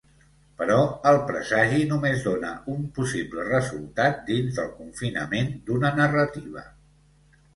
Però el presagi només dona un possible resultat dins del confinament d'una narrativa.